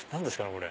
これ。